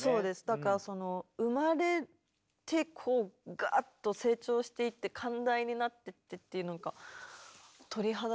だからその生まれてこうガーッと成長していって寛大になっていってっていうなんか鳥肌。